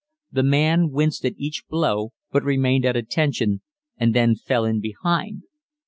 The man winced at each blow but remained at attention, and then fell in behind.